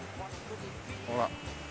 ほら。